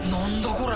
これ。